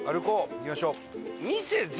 行きましょう。